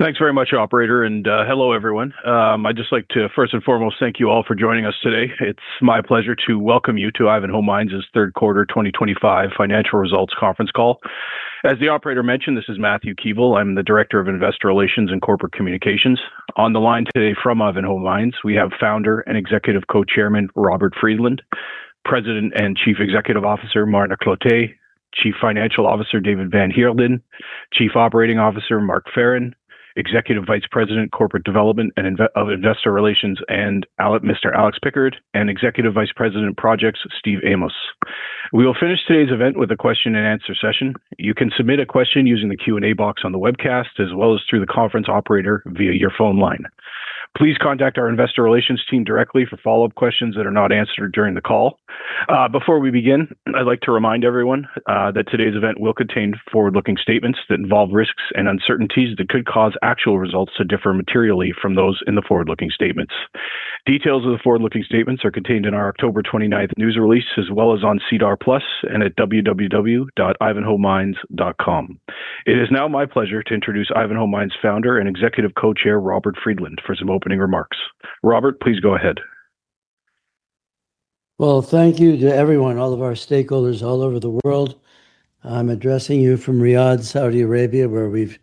Thanks very much, Operator, and hello everyone. I'd just like to first and foremost thank you all for joining us today. It's my pleasure to welcome you to Ivanhoe Mines third quarter 2025 financial results conference call. As the operator mentioned, this is Matthew Keevil. I'm the Director of Investor Relations and Corporate Communications. On the line today from Ivanhoe Mines we have Founder and Executive Co-Chair Robert Friedland, President and Chief Executive Officer Marna Cloete, Chief Financial Officer David van Heerden, Chief Operating Officer Mark Farren, Executive Vice President, Corporate Development and Investor Relations Alex Pickard, and Executive Vice President, Projects Steve Amos. We will finish today's event with a question and answer session. You can submit a question using the Q&A box on the webcast as well as through the conference operator via your phone line. Please contact our investor relations team directly for follow-up questions that are not answered during the call. Before we begin, I'd like to remind everyone that today's event will contain forward-looking statements that involve risks and uncertainties that could cause actual results to differ materially from those in the forward-looking statements. Details of the forward-looking statements are contained in our October 29th news release as well as on SEDAR+ and at www.ivanhoemines.com. It is now my pleasure to introduce Ivanhoe Mines Founder and Executive Co-Chair Robert Friedland for some opening remarks. Robert, please go ahead. Thank you to everyone, all of our stakeholders all over the world. I'm addressing you from Riyadh, Saudi Arabia, where we've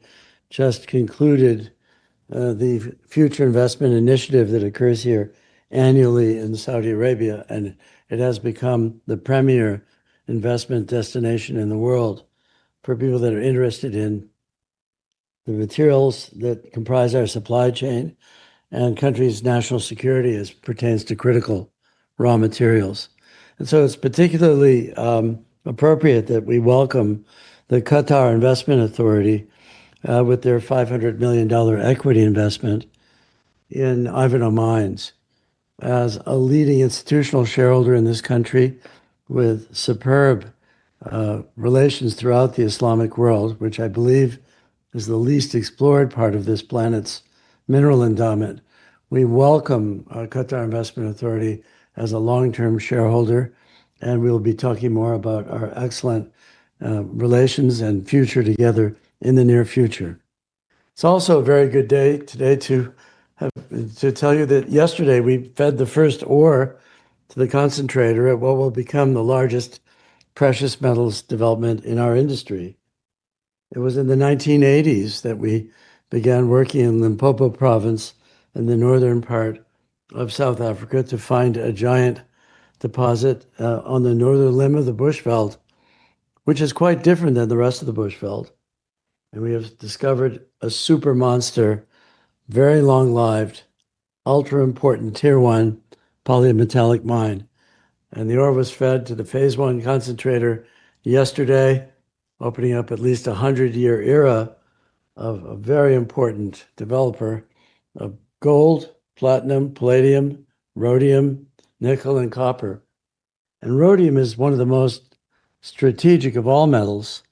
just concluded the Future Investment Initiative that occurs here annually in Saudi Arabia. It has become the premier investment destination in the world for people that are interested in the materials that comprise our supply chain and countries' national security as pertains to critical raw materials. It's particularly appropriate that we welcome the Qatar Investment Authority with their $500 million equity investment in Ivanhoe Mines as a leading institutional shareholder in this country with superb relations throughout the Islamic world, which I believe is the least explored part of this planet's mineral endowment. We welcome Qatar Investment Authority as a long-term shareholder and we'll be talking more about our excellent relations and future together in the near future. It's also a very good day today to have to tell you that yesterday we fed the first ore to the concentrator at what will become the largest precious metals development in our industry. It was in the 1980s that we began working in Limpopo Province in the northern part of South Africa to find a giant deposit on the northern limb of the Bushveld, which is quite different than the rest of the Bushveld. We have discovered a super monster, very long-lived, ultra important Tier One polymetallic mine. The ore was fed to the phase I concentrator yesterday, opening up at least a 100-year era of a very important developer of gold, platinum, palladium, rhodium, nickel, and copper. Rhodium is one of the most strategic of all metals.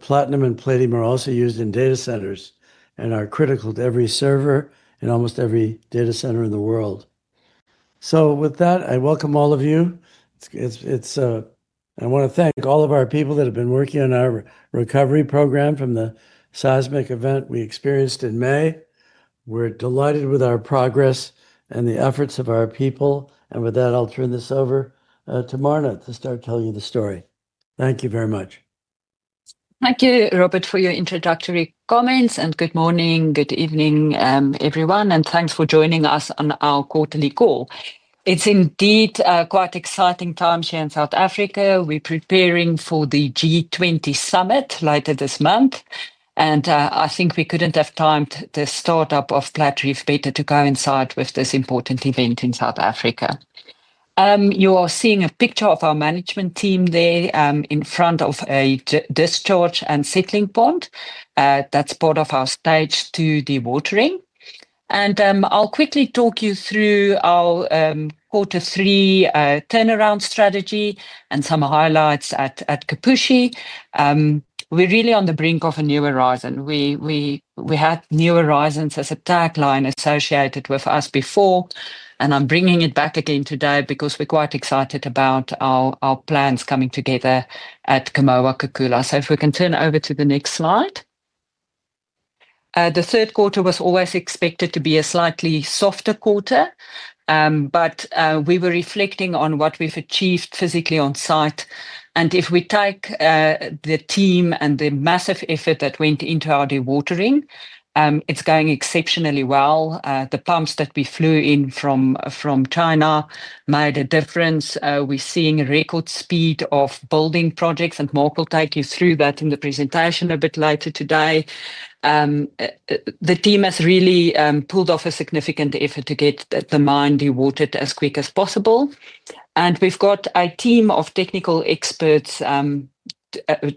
Platinum and palladium are also used in data centers and are critical to every server in almost every data center in the world. With that, I welcome all of you. I want to thank all of our people that have been working on our recovery program from the seismic event we experienced in May. We're delighted with our progress and the efforts of our people. With that, I'll turn this over to Marna to start telling you the story. Thank you very much. Thank you, Robert, for your introductory comments and good morning. Good evening, everyone, and thanks for joining us on our quarterly call. It's indeed quite exciting times here in South Africa. We're preparing for the G20 summit later this month, and I think we couldn't have timed the startup of Platreef better to coincide with this important event in South Africa. You are seeing a picture of our management team there in front of a discharge and settling pond that's part of our stage two dewatering. I'll quickly talk you through our quarter three turnaround strategy and some highlights at Kipushi. We're really on the brink of a new horizon. We had New Horizons as a tagline associated with us before, and I'm bringing it back again today because we're quite excited about our plans coming together at Kamoa-Kakula. If we can turn over to the next slide. The third quarter was always expected to be a slightly softer quarter, but we were reflecting on what we've achieved physically on site, and if we take the team and the massive effort that went into our dewatering, it's going exceptionally well. The pumps that we flew in from China made a difference. We're seeing a record speed of building projects, and Mark will take you through that in the presentation a bit later today. The team has really pulled off a significant effort to get the mine rewatered as quick as possible. We've got a team of technical experts.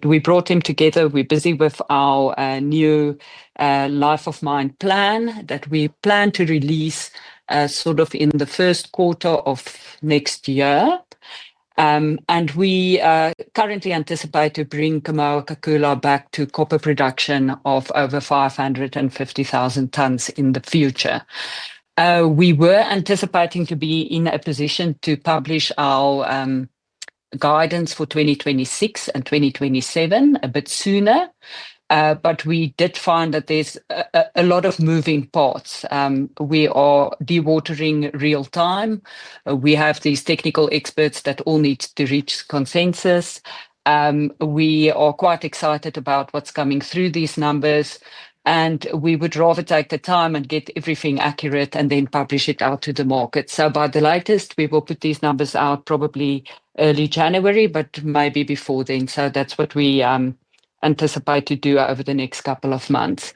We brought them together. We're busy with our new life of mine plan that we plan to release sort of in the first quarter of next year. We currently anticipate to bring Kamoa-Kakula back to copper production of over 550,000 tonnes in the future. We were anticipating to be in a position to publish our guidance for 2026 and 2027 a bit sooner, but we did find that there's a lot of moving parts. We are dewatering real time. We have technical experts that all need to reach consensus. We're quite excited about what's coming through these numbers, and we would rather take the time and get everything accurate and then publish it out to the market. By the latest, we will put these numbers out probably early January, but maybe before then. That's what we anticipate to do over the next couple of months.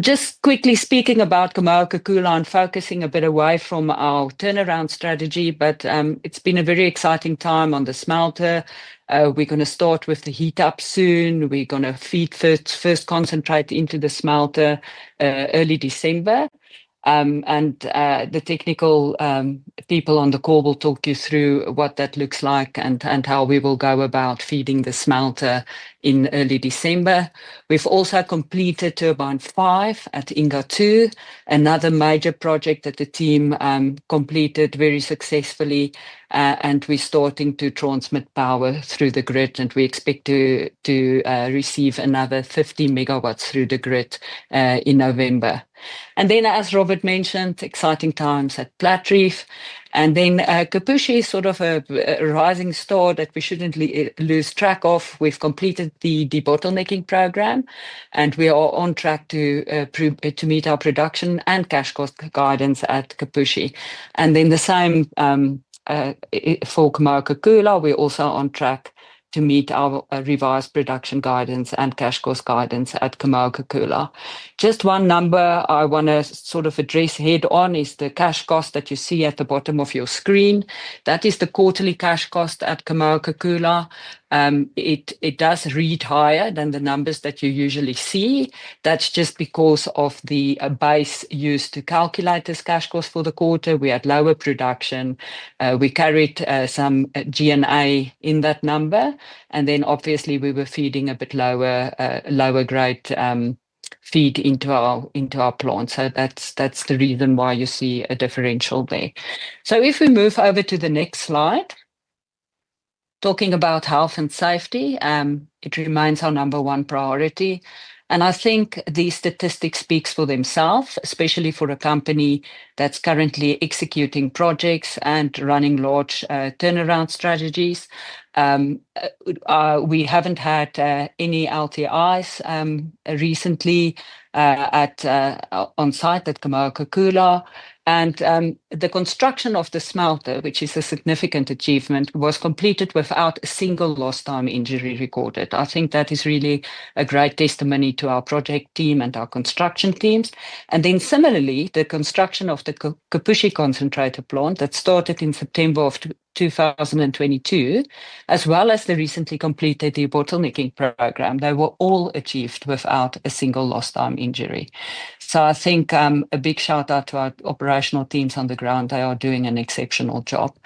Just quickly speaking about Kamoa-Kakula and focusing a bit away from our turnaround strategy, it's been a very exciting time on this smelter. We're going to start with the heat up soon. We're going to feed first, first concentrate into the smelter early December, and the technical people on the call will talk you through what that looks like and how we will go about feeding the smelter in early December. We've also completed Turbine 5 at Inga II, another major project that the team completed very successfully. We're starting to transmit power through the grid and we expect to receive another 50 MW through the grid in November. As Robert mentioned, exciting times at Platreef and then Kipushi is sort of a rising star that we shouldn't lose track of. We've completed the debottlenecking program and we are on track to meet our production and cash cost guidance at Kipushi. The same for Kamoa-Kakula. We're also on track to meet our revised production guidance and cash cost guidance at Kamoa-Kakula. Just one number I want to sort of address head on is the cash cost that you see at the bottom of your screen. That is the quarterly cash cost at Kamoa-Kakula. It does read higher than the numbers that you usually see. That's just because of the base used to calculate this cash cost for the quarter. We had lower production, we carried some G&A in that number and then obviously we were feeding a bit lower, lower grade feed into our plant. That's the reason why you see a differential there. If we move over to the next slide talking about health and safety, it remains our number one priority. I think these statistics speak for themselves, especially for a company that's currently executing projects and running large turnaround strategies. We haven't had any LTIs recently on site at Kamoa-Kakula and the construction of the smelter, which is a significant achievement, was completed without a single lost time injury recorded. I think that is really a great testimony to our project team and our construction teams. Similarly, the construction of the Kipushi concentrator plant that started in September of 2022, as well as the recently completed debottlenecking, they were all achieved without a single lost time injury. I think a big shout out to our operational teams on the ground. They are doing an exceptional job.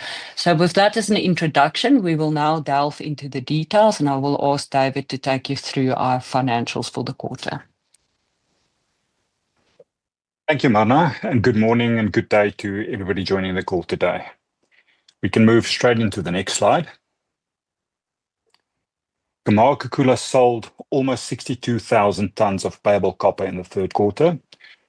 With that as an introduction, we will now delve into the details and I will ask David to take you through our financials for the quarter. Thank you, Marna, and good morning and good day to everybody joining the call today. We can move straight into the next slide. Kamoa-Kakula sold almost 62,000 tonnes of payable copper in the third quarter.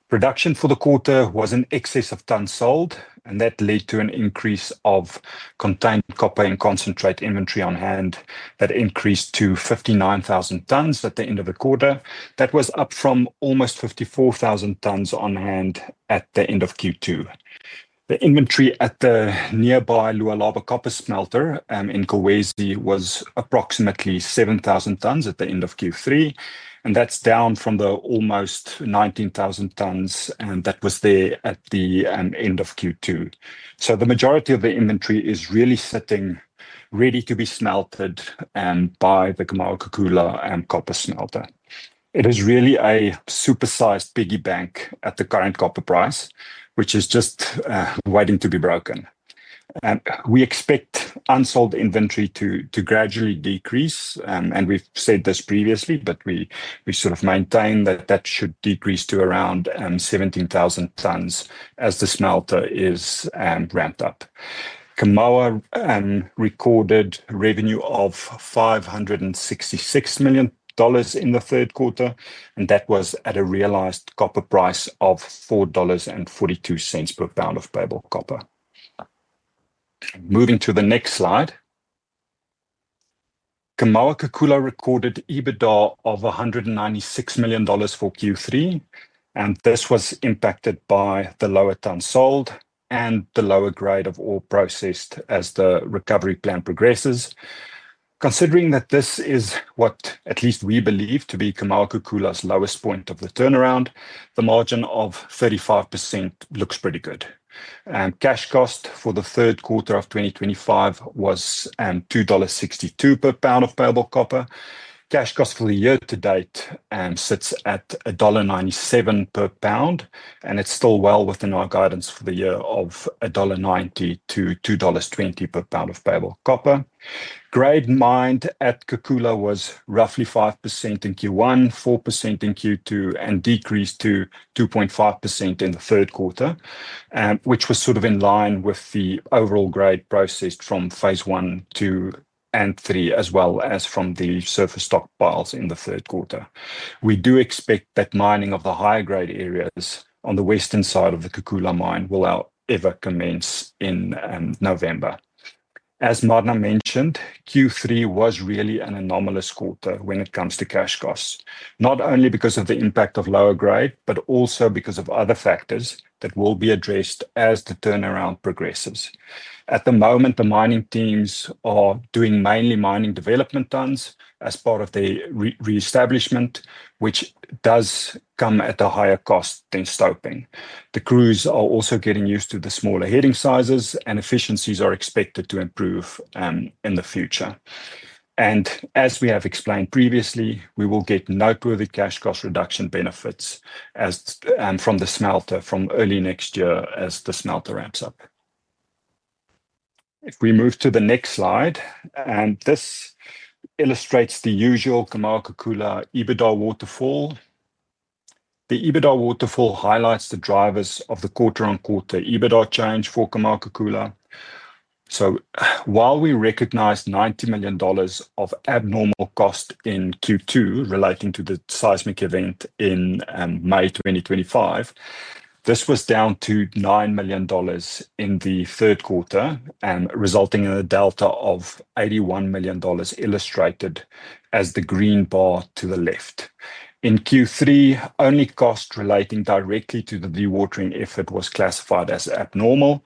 Production for the quarter was in excess of tonnes sold, and that led to an increase of contained copper and concentrate inventory on hand. That increased to 59,000 tonnes at the end of the quarter. That was up from almost 54,000 tonnes on hand at the end of Q2. The inventory at the nearby Lualaba copper smelter in Kolwezi was approximately 7,000 tonnes at the end of Q3, and that's down from the almost 19,000 tonnes that was there at the end of Q2. The majority of the inventory is really sitting ready to be smelted. By the Kamoa-Kakula and copper smelter, it is really a supersized piggy bank. At the current copper price, which is just waiting to be broken, we expect unsold inventory to gradually decrease. We've said this previously, but we sort of maintain that that should decrease to around 17,000 tonnes as the smelter is ramped up. Kamoa recorded revenue of $566 million in the third quarter, and that was at a realized copper price of $4.42 per pound of payable copper. Moving to the next slide, Kamoa-Kakula recorded EBITDA of $196 million for Q3. This was impacted by the lower tonnes sold and the lower grade of ore processed as the recovery plan progresses. Considering that this is what at least we believe to be Kamoa-Kakula's lowest point of the turnaround, the margin of 35% looks pretty good. Cash cost for the third quarter of 2025 was $2.62 per pound of payable copper. Cash cost for the year to date sits at $1.97 per pound, and it's still well within our guidance for the year of $1.90-$2.20 per pound of payable copper. Grade mined at Kakula was roughly 5% in Q1, 4% in Q2, and decreased to 2.5% in the third quarter, which was sort of in line with the overall grade processed from Phase I Phase III as well as from the surface stockpiles. In the third quarter, we do expect that mining of the higher grade areas on the western side of the Kakula mine will commence in November. As Marna mentioned, Q3 was really an anomalous quarter when it comes to cash costs, not only because of the impact of lower grade but also because of other factors that will be addressed as the turnaround progresses. At the moment, the mining teams are doing mainly mining development tonnes as part of the re-establishment, which does come at a higher cost than stoping. The crews are also getting used to the smaller heading sizes, and efficiencies are expected to improve in the future. As we have explained previously, we will get noteworthy cash cost reduction benefits from the smelter from early next year as the smelter ramps up. If we move to the next slide, this illustrates the usual Kamoa-Kakula EBITDA waterfall. The EBITDA waterfall highlights the drivers of the quarter-on-quarter EBITDA change for Kamoa-Kakula. While we recognized $90 million of abnormal cost in Q2 relating to the seismic event in May 2023, this was down to $9 million in the third quarter, resulting in a delta of $81 million. Illustrated as the green bar to the left in Q3, only costs relating directly to the dewatering effort were classified as abnormal.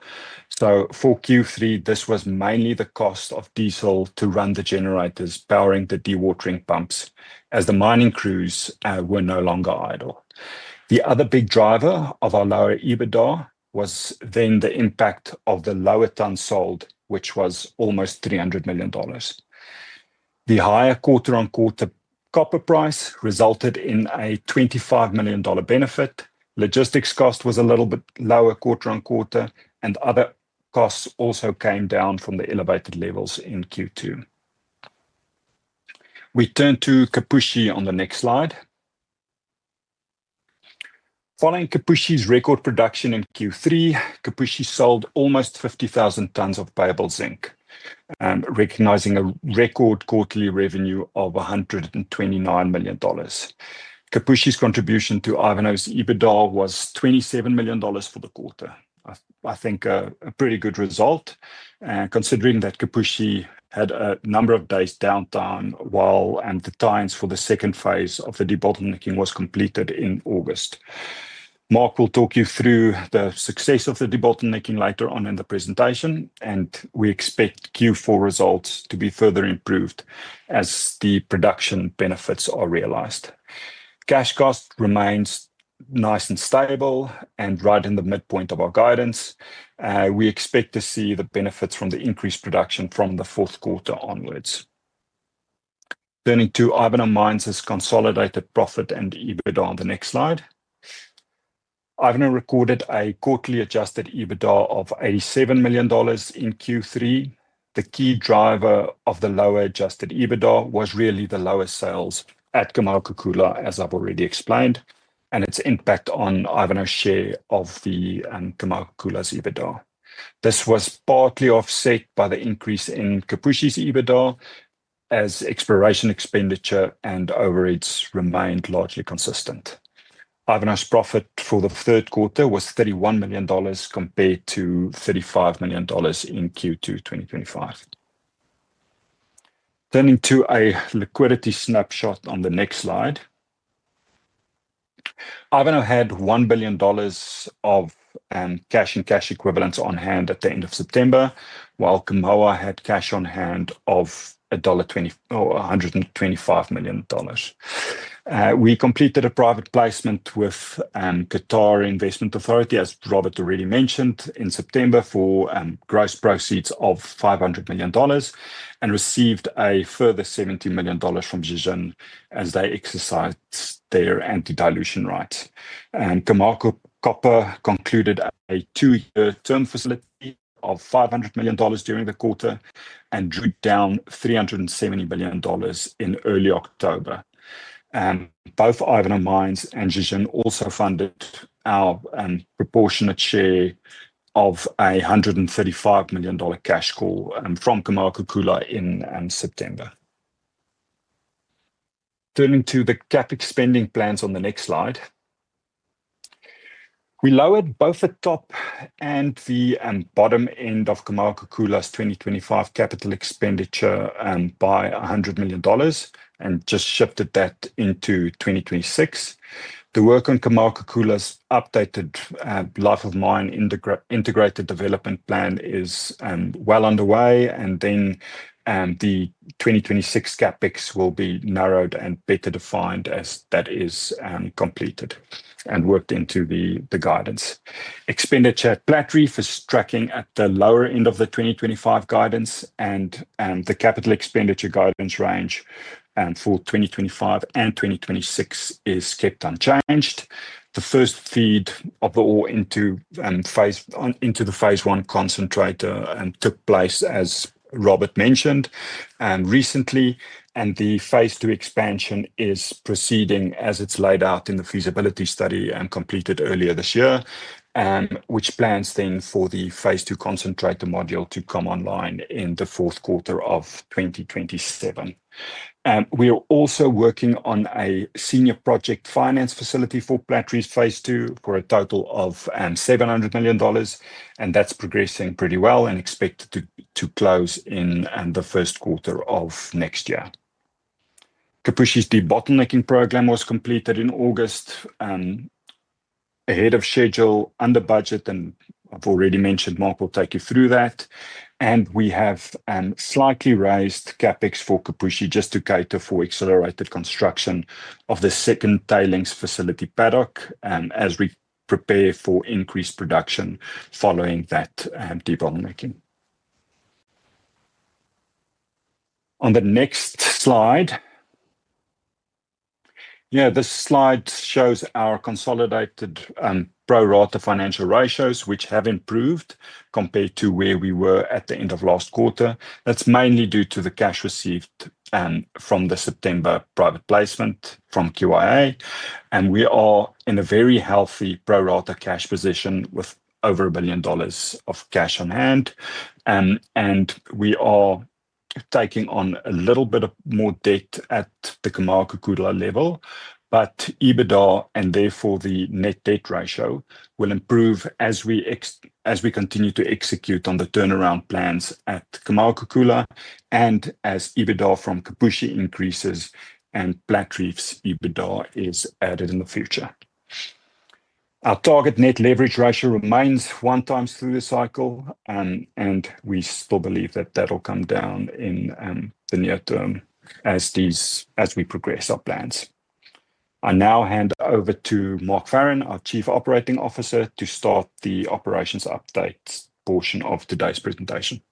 For Q3, this was mainly the cost of diesel to run the generators powering the dewatering pumps as the mining crews were no longer idle. The other big driver of our lower EBITDA was the impact of the lower tonnes sold, which was almost $300 million. The higher quarter-on-quarter copper price resulted in a $25 million benefit. Logistics cost was a little bit lower quarter-on-quarter, and other costs also came down from the elevated levels in Q2. We turn to Kipushi on the next slide. Following Kipushi's record production in Q3, Kipushi sold almost 50,000 tons of payable zinc, recognizing a record quarterly revenue of $129 million. Kipushi's contribution to Ivanhoe's EBITDA was $27 million for the quarter. I think a pretty good result considering that Kipushi had a number of days downtime while the teams for the second phase of the debottlenecking was completed. Mark will talk you through the success of the debottlenecking later on in the presentation, and we expect Q4 results to be further improved as the production benefits are realized. Cash cost remains nice and stable and right in the midpoint of our guidance. We expect to see the benefits from the increased production from the fourth quarter onwards. Turning to Ivanhoe Mines Consolidated Profit and EBITDA on the next slide, Ivanhoe recorded a quarterly Adjusted EBITDA of $87 million. In Q3, the key driver of the lower Adjusted EBITDA was really the lower sales at Kamoa-Kakula, as I've already explained, and its impact on Ivanhoe's share of the Kamoa-Kakula's EBITDA. This was partly offset by the increase in Kipushi's EBITDA as exploration expenditure and overheads remained largely consistent. Ivanhoe's profit for the third quarter was $31 million compared to $35 million in Q2 2025. Turning to a liquidity snapshot on the next slide, Ivanhoe had $1 billion of cash and cash equivalents on hand at the end of September while Kamoa had cash on hand of $125 million. We completed a Qatar Investment Authority investment as Robert already mentioned in September for gross proceeds of $500 million and received a further $70 million from Zijin as they exercised their anti-dilution rights, and Kamoa Copper concluded a two-year term facility of $500 million during the quarter and drew down $370 million in early October. Both Ivanhoe Mines and Zijin also funded our proportionate share of a $135 million cash call from Kamoa-Kakula in September. Turning to the CapEx spending plans on the next slide, we lowered both the top and the bottom end of Kamoa-Kakula's 2025 capital expenditure by $100 million and just shifted that into 2026. The work on Kamoa-Kakula's updated Life of Mine Integrated Development Plan is well underway and then the 2026 CapEx will be narrowed and better defined as that is completed and worked into the guidance. Expenditure at Platreef is tracking at the lower end of the 2025 guidance and the capital expenditure guidance range for 2025-26 is kept unchanged. The first feed of the ore into the phase I concentrator took place as Robert mentioned recently and the phase II expansion is proceeding as it's laid out in the feasibility study and completed earlier this year, which plans then for the phase II concentrator module to come online in the fourth quarter of 2027. We are also working on a senior project finance facility for Platreef's phase II for a total of $700 million and that's progressing pretty well and expected to close in the first quarter of next year. Kipushi's debottlenecking program was completed in August ahead of schedule under budget and I've already mentioned Mark will take you through that and we have slightly raised CapEx for Kipushi just to cater for accelerated construction of the second tailings facility paddock as we prepare for increased production following that debottlenecking. On the next slide, this slide shows our consolidated pro rata financial ratios which have improved compared to where we were at the end of last quarter. That's mainly due to the cash received from the September private placement from Qatar Investment Authority and we are in a very healthy pro rata cash position with over $1 billion of cash on hand. We are taking on a little bit more debt at the Kamoa-Kakula level, but EBITDA and therefore the net debt ratio will improve as we continue to execute on the turnaround plans at Kamoa-Kakula and as EBITDA from Kipushi increases and Platreef's EBITDA is added in the future. Our target net leverage ratio remains one times through the cycle and we still believe that that'll come down in the near term as we progress our plans. I now hand over to Mark Farren, our Chief Operating Officer, to start the operations update portion of today's presentation.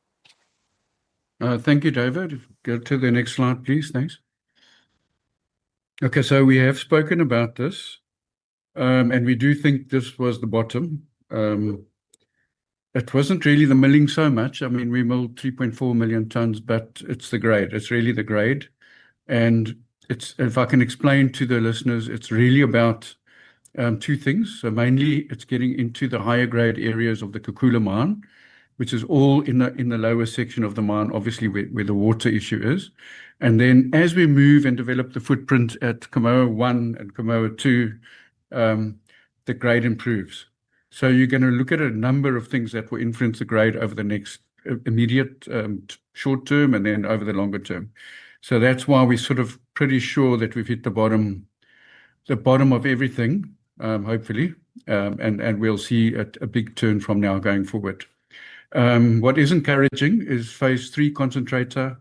Thank you, David. Go to the next slide, please. Thanks. Okay, we have spoken about this and we do think this was the bottom. It wasn't really the milling so much. I mean, we milled 3.4 million tons, but it's the grade. It's really the grade. If I can explain to the listeners, it's really about two things. Mainly, it's getting into the higher grade areas of the Kakula mine, which is all in the lower section of the mine, obviously where the water issue is. As we move and develop the footprint at Kamoa 1 and Kamoa 2, the grade improves. You're going to look at a number of things that will influence the grade over the next immediate short term and then over the longer term. That's why we're pretty sure that we've hit the bottom, the bottom of everything hopefully, and we'll see a big turn from now going forward. What is encouraging is phase III concentrator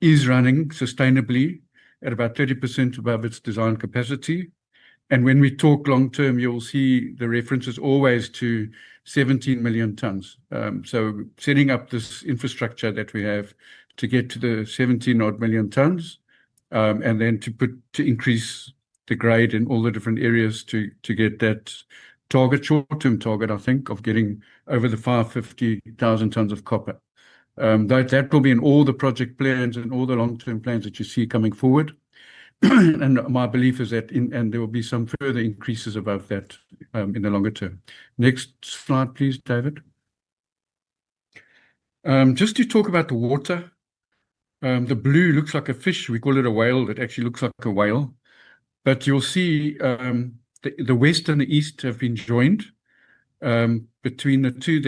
is running sustainably at about 30% above its design capacity. When we talk long term, you'll see the reference is always to 17 million tonnes. Setting up this infrastructure that we have to get to the 17 odd million tons and then to increase the grade in all the different areas to get that target, short term target I think of getting over the 550,000 tons of copper that will be in all the project plans and all the long term plans that you see coming forward. My belief is that there will be some further increases above that in the longer term. Next slide, please, David. Just to talk about water. The blue looks like a fish. We call it a whale. It actually looks like a whale. You'll see the west and the east have been joined between the two.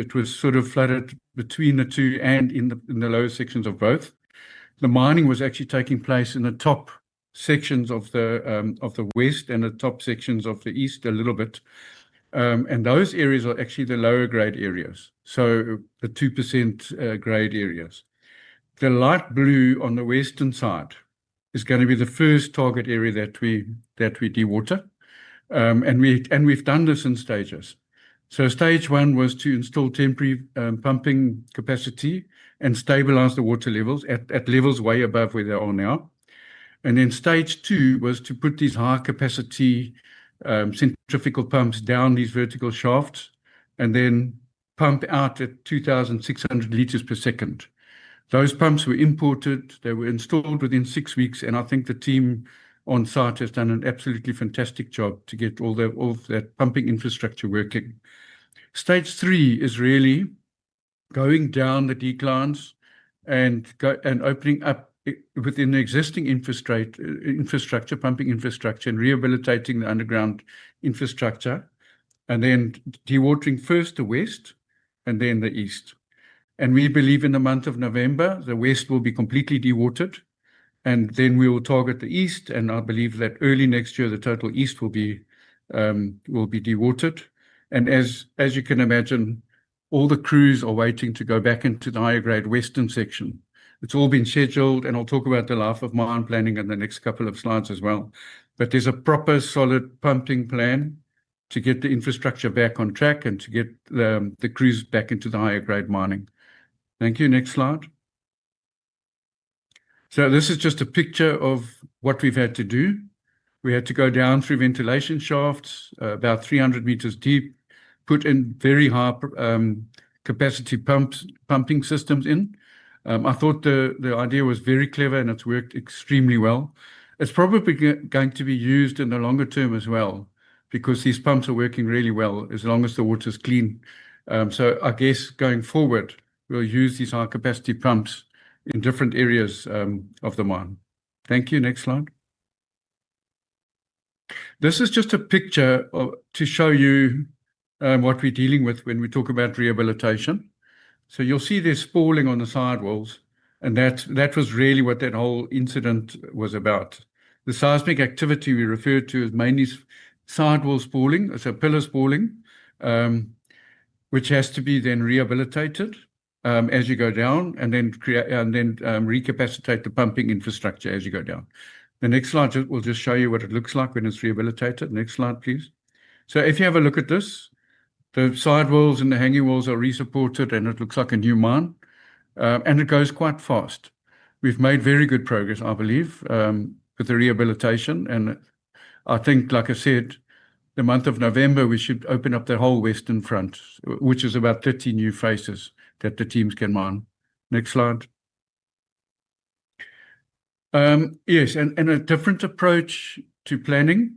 It was sort of flooded between the two. In the lower sections of both, the mining was actually taking place in the top sections of the west and the top sections of the east a little bit. Those areas are actually the lower grade areas. The 2% grade areas, the light blue on the western side, is going to be the first target area that we dewater, and we've done this in stages. Stage one was to install temporary pumping capacity and stabilize the water levels at levels way above where they are now. Stage two was to put these high capacity centrifugal pumps down these vertical shafts and then pump out at 2,600 liters per second. Those pumps were imported; they were installed within six weeks. I think the team on site has done an absolutely fantastic job to get all of that pumping infrastructure working. Stage three is really going down the declines and opening up within the existing infrastructure, pumping infrastructure and rehabilitating the underground infrastructure and then dewatering first the west and then the east. We believe in the month of November the west will be completely dewatered and then we will target the east. I believe that early next year the total east will be dewatered and, as you can imagine, all the crews are waiting to go back into the higher grade western section. It's all been scheduled and I'll talk about the life of mine planning in the next couple of slides as well. There's a proper solid pumping plan to get the infrastructure back on track and to get the crews back into the higher grade mining. Thank you. Next slide. This is just a picture of what we've had to do. We had to go down through ventilation shafts about 300 meters deep, put in very high capacity pumping systems. I thought the idea was very clever and it's worked extremely well. It's probably going to be used in the longer term as well because these pumps are working really well as long as the water is clean. I guess going forward we'll use these high capacity pumps in different areas of the mine. Thank you. Next slide. This is just a picture to show you what we're dealing with when we talk about rehabilitation. You'll see there's spalling on the sidewall. That was really what that whole incident was about. The seismic activity we referred to is mainly sidewall spalling. Pillars spalling, which has to be then rehabilitated as you go down and then recapacitate the pumping infrastructure as you go down. The next slide will just show you what it looks like when it's rehabilitated. Next slide please. If you have a look at this, the sidewalls and the hanging walls are resupported and it looks like a new mine and it goes quite fast. We've made very good progress, I believe, with the rehabilitation. I think, like I said, the month of November we should open up the whole western front which is about 30 new faces that the teams can mine. Next slide. Yes. A different approach to planning.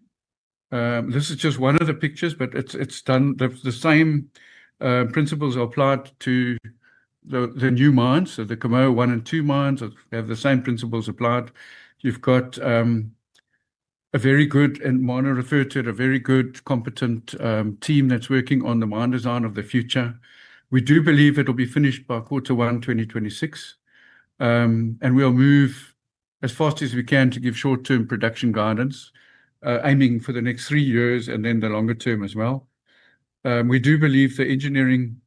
This is just one of the pictures but it's done. The same principles are applied to the new mines. The Kamoa 1 and 2 mines have the same principles applied. You've got a very good, and Marna referred to it, a very good, competent team that's working on the mine design of the future. We do believe it'll be finished by quarter 1 2026 and we'll move as fast as we can to give short term production guidance, aiming for the next three years and then the longer term as well. We do believe the engineering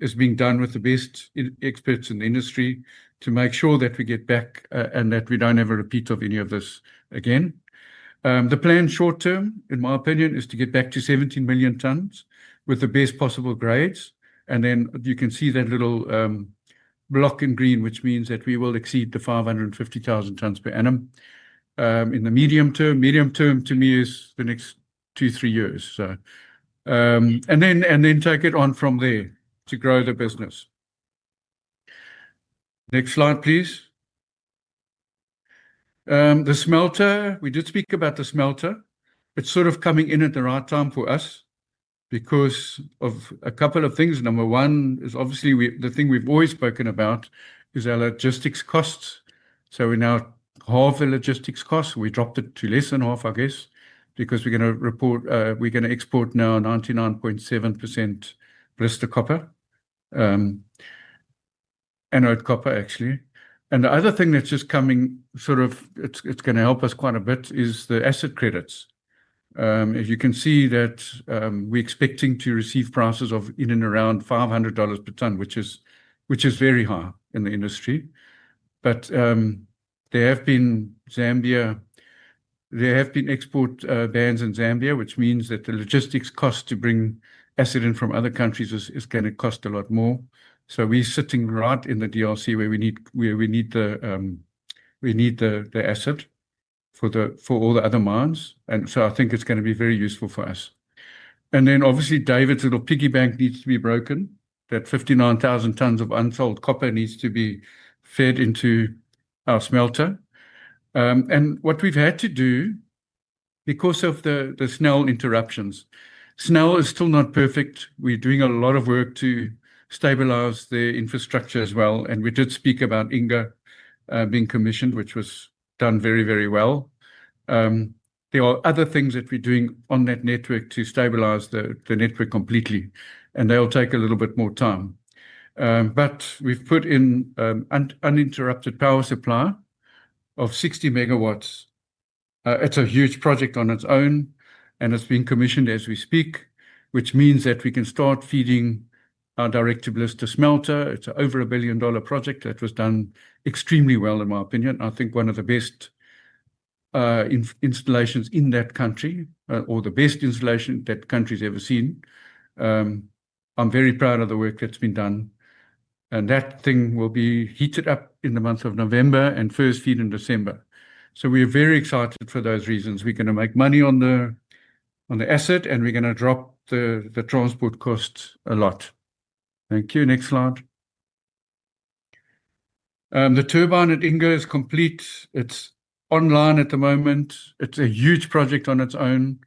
is being done with the best experts in the industry to make sure that we get back and that we don't have a repeat of any of this again. The plan short term in my opinion is to get back to 17 million tons with the best possible grades. You can see that little block in green which means that we will exceed the 550,000 tons per annum in the medium term. Medium term to me is the next two, three years, and then take it on from there to grow the business. Next slide, please. The smelter. We did speak about the smelter. It's sort of coming in at the right time for us because of a couple of things. Number one is obviously we, the thing we've always spoken about is our logistics costs. We now have about half the logistics cost. We dropped it to less than half, I guess, because we're going to export now 99.7% blister copper, anode copper actually. The other thing that's just coming, it's going to help us quite a bit, is the acid credits. As you can see, we're expecting to receive prices of in and around $500 per ton, which is very high in the industry. There have been export bans in Zambia, which means that the logistics cost to bring acid in from other countries is going to cost a lot more. We're sitting right in the DRC where we need the acid for all the other mines. I think it's going to be very useful for us. Obviously, David's little piggy bank needs to be broken. That 59,000 tons of unsold copper needs to be fed into our smelter. What we've had to do because of the SNEL interruptions, SNEL is still not perfect. We're doing a lot of work to stabilize the infrastructure as well. We did speak about Inga II being commissioned, which was done very, very well. There are other things that we're doing on that network to stabilize the network completely and they'll take a little bit more time, but we've put in uninterrupted power supply of 60 MW. It's a huge project on its own and it's been commissioned as we speak, which means that we can start feeding our direct to blister smelter. It's over a $1 billion project that was done extremely well, in my opinion. I think one of the best installations in that country or the best installation that country's ever seen. I'm very proud of the work that's been done and that thing will be heated up in the month of November and first feed in December. We're very excited for those reasons. We're going to make money on the asset and we're going to drop the transport costs a lot. Thank you. Next slide, the turbine at Inga II is complete. It's online at the moment. It's a huge project on its own.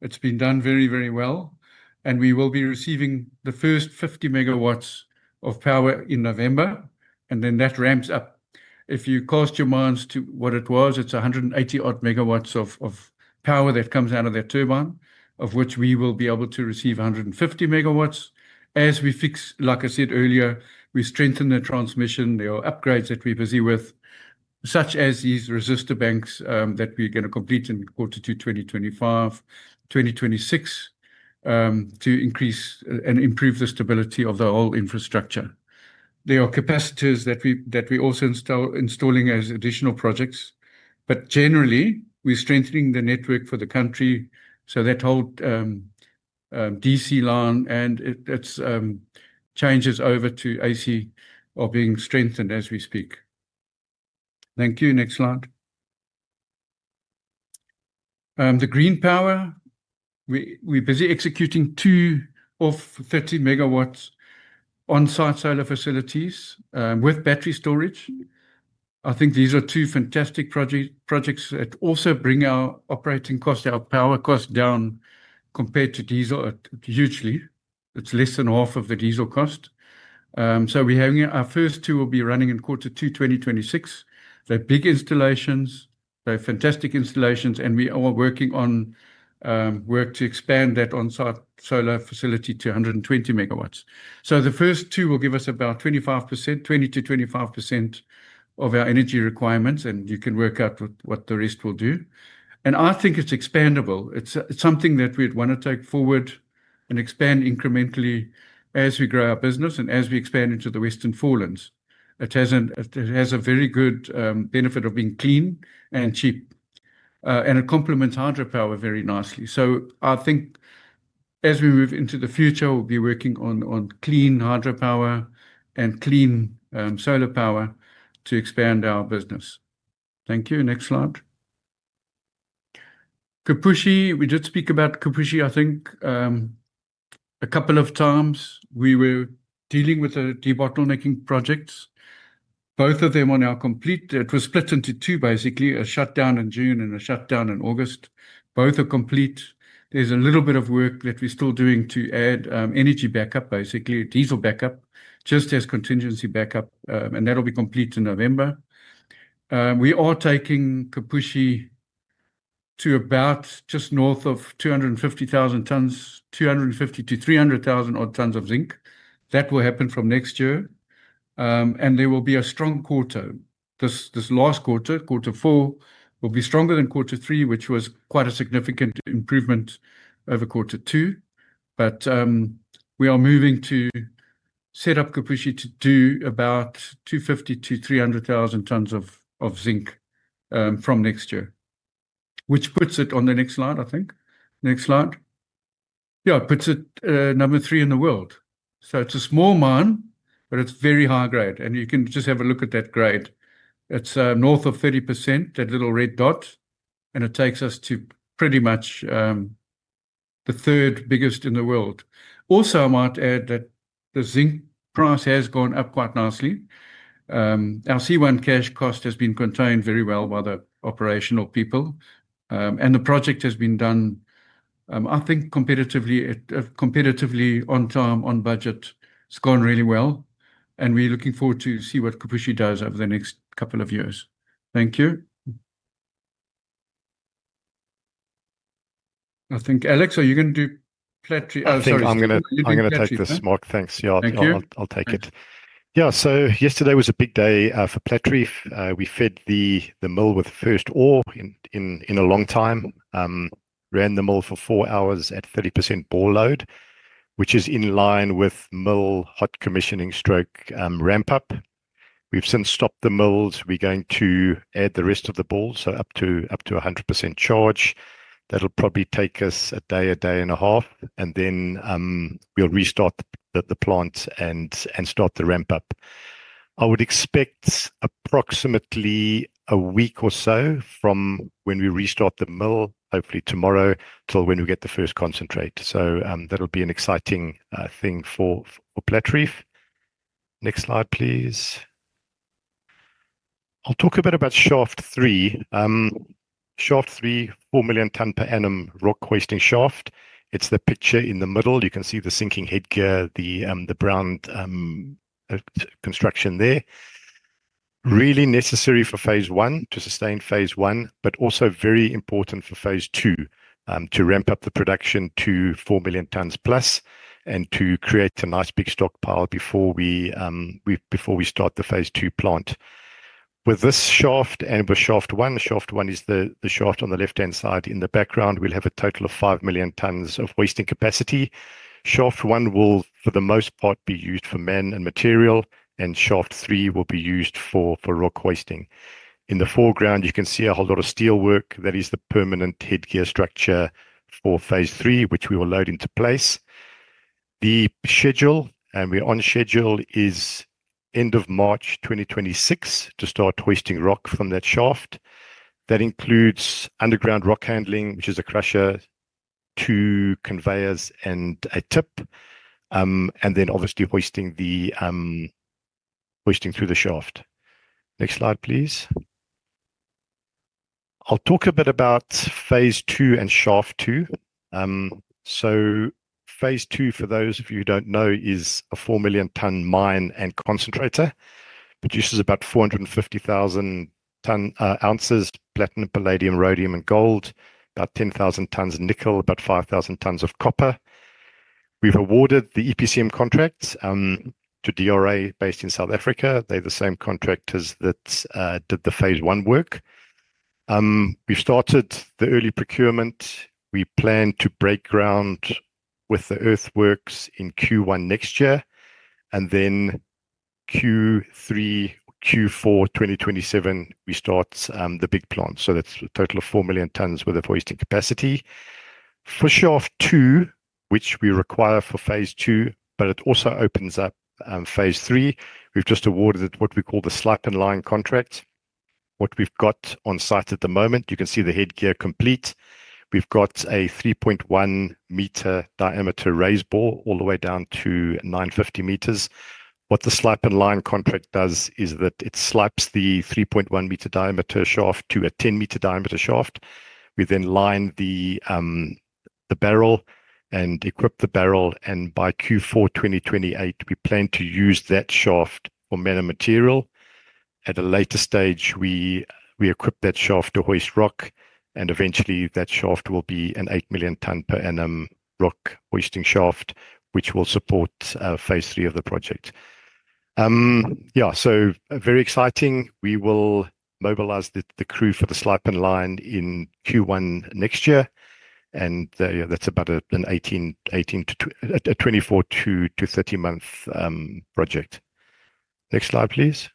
It's been done very, very well and we will be receiving the first 50 MW of power in November and then that ramps up if you cast your minds to what it was. It's 180-odd megawatts of power that comes out of that turbine of which we will be able to receive 150 MW as we fix. Like I said earlier, we strengthen the transmission. There are upgrades that we're busy with, such as these resistor banks that we're going to complete in Quarter 2, 2025, 2026 to increase and improve the stability of the whole infrastructure. There are capacitors that we are also installing as additional projects. Generally, we're strengthening the network for the country so that whole DC line and its changes over to AC are being strengthened as we speak. Thank you. Next slide, the green power. We're busy executing two of 30 MW on-site solar facilities with battery storage. I think these are two fantastic projects that also bring our operating cost, our power cost down compared to diesel. Hugely, it's less than half of the diesel cost. Our first two will be running in Quarter 2, 2026. They're big installations, they're fantastic installations and we are working on work to expand that on-site solar facility to 120 MW. The first two will give us about 20%-25% of our energy requirements and you can work out what the rest will do. I think it's expandable. It's something that we'd want to take forward and expand incrementally as we grow our business and as we expand into the Western Forelands. It has a very good benefit of being clean and cheap and it complements hydropower very nicely. I think as we move into the future, we'll be working on clean hydropower and clean solar power to expand our business. Thank you. Next slide. Kipushi. We did speak about Kipushi, I think a couple of times we were dealing with the debottlenecking projects. Both of them are now complete. It was split into two, basically a shutdown in June and a shutdown in August. Both are complete. There's a little bit of work that we're still doing to add energy backup, basically diesel backup just as contingency backup, and that'll be complete in November. We are taking Kipushi to about just north of 250,000 tons, 250,000 to 300,000 odd tons of zinc. That will happen from next year and there will be a strong quarter this last quarter. Quarter four will be stronger than quarter three, which was quite a significant improvement over quarter two. We are moving to set up Kipushi to do about 250,000 to 300,000 tons of zinc from next year, which puts it on the next slide, I think. Next slide, yeah. Puts it number three in the world. It's a small mine but it's very high grade and you can just have a look at that grade. It's north of 30%, that little red dot, and it takes us to pretty much the third biggest in the world. Also, I might add that the zinc price has gone up quite nicely. Our C1 cash cost has been contained very well by the operational people and the project has been done, I think, competitively, competitively on time, on budget, it's gone really well and we're looking forward to see what Kipushi does over the next couple of years. Thank you. I think. Alex, are you going to do Plat? I'm going to take this, Mark. Thanks. Yeah, I'll take it. Yesterday was a big day for Platreef. We fed the mill with first ore, ran the mill for four hours at 30% ball load, which is in line with mill hot commissioning stroke ramp up. We've since stopped the mills. We're going to add the rest of the balls up to 100% charge. That'll probably take us a day, a day and a half, and then we'll restart the plant and start the ramp up. I would expect approximately a week or so from when we restart the mill, hopefully tomorrow, till when we get the first concentrate. That'll be an exciting thing for Platreef. Next slide, please. I'll talk a bit about Shaft 3. Shaft 3, 4 million ton per annum rock hoisting shaft. It's the picture in the middle. You can see the sinking headgear, the brown construction there, really necessary for phase I to sustain phase I but also very important for phase II to ramp up the production to 4+ million tonnes and to create a nice big stockpile before we start the phase II plant with this shaft and with Shaft 1. Shaft 1 is the shaft on the left-hand side in the background. We'll have a total of 5 million tonnes of hoisting capacity. Shaft 1 will for the most part be used for men and materials, and Shaft 3 will be used for rock hoisting. In the foreground, you can see a whole lot of steel work. That is the permanent headgear structure for phase III, which we will load into place. The schedule, and we're on schedule, is end of March 2026 to start hoisting rock from that shaft. That includes underground rock handling, which is a crusher, two conveyors, and a tip, and then obviously hoisting through the shaft. Next slide, please. I'll talk a bit about phase II and Shaft 2. phase II, for those of you who don't know, is a 4 million tonne mine and concentrator, produces about 450,000 ounces platinum, palladium, rhodium, and gold, about 10,000 tons nickel, about 5,000 tons of copper. We've awarded the EPCM contracts to DRA based in South Africa. They're the same contractors that did the phase I work. We've started the early procurement. We plan to break ground with the earthworks in Q1 next year. In Q3, Q4 2027, we start the big plant. That's a total of 4 million tonnes worth of hoisting capacity for Shaft 2, which we require for phase II. It also opens up phase III. We've just awarded what we call the slip and line contract. What we've got on site at the moment, you can see the headgear complete. We've got a 3.1 meter diameter raised bore all the way down to 950 meters. What the slip and line contract does is that it slips the 3.1 meter diameter shaft to a 10 meter diameter shaft. We then line the barrel and equip the barrel, and by Q4, 2028, we plan to use that shaft for mana material at a later stage. We equip that shaft to hoist rock, and eventually that shaft will be an 8 million ton per annum rock hoisting shaft, which will support phase III of the project. Very exciting. Mobilize the crew for the slip and line in Q1 next year, and that's about an 18, 18 to a 24 to 30 month project. Next slide, please.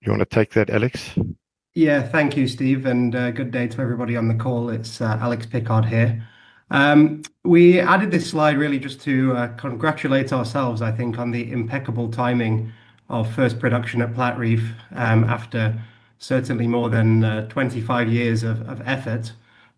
You want to take that, Alex? Yeah. Thank you, Steve, and good day to everybody on the call. It's Alex Pickard here. We added this slide, really just to congratulate ourselves, I think, on the impeccable timing of first production at Platreef after certainly more than 25 years of effort.